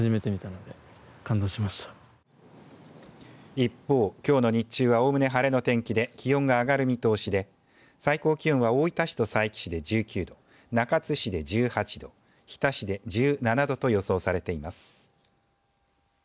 一方、きょうの日中はおおむね晴れの天気で気温が上がる見通しで最高気温は大分市と佐伯市で１９度中津市で１８度日田市で１７度と予想されています。